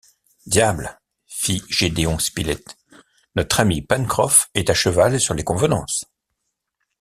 Diable! fit Gédéon Spilett, notre ami Pencroff est à cheval sur les convenances !